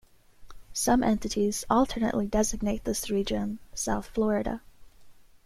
Some entities alternately designate this region "South Florida".